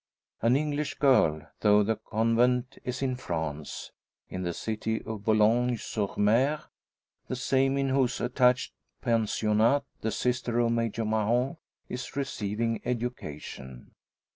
An English girl, though the convent is in France in the city of Boulogne sur mer; the same in whose attached pensionnat the sister of Major Mahon is receiving education.